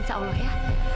insya allah ya